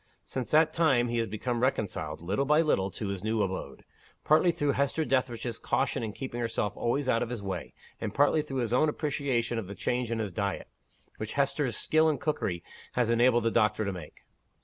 Since that time, he has become reconciled, little by little, to his new abode partly through Hester Dethridge's caution in keeping herself always out of his way; and partly through his own appreciation of the change in his diet, which Hester's skill in cookery has enabled the doctor to make.